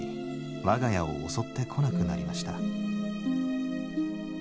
我が家を襲ってこなくなりました。